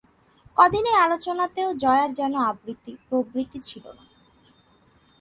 কদিন এ আলোচনাতেও জয়ার যেন প্রবৃত্তি ছিল না।